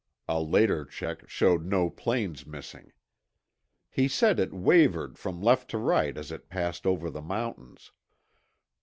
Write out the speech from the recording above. [A later check showed no planes missing.] He said it wavered from left to right as it passed over the mountains.